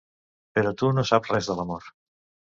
Però tu no saps res de l'amor.